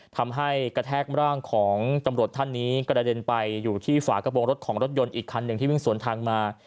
ทำให้กระแทกร่างของตำรวจท่านนี้กระเด็นไปอยู่ที่ฝากระโปรงรถของรถยนต์อีกคันหนึ่งที่วิ่งสวนทางมา